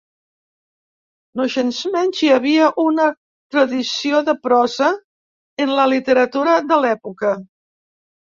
Nogensmenys hi havia una tradició de prosa en la literatura de l'època.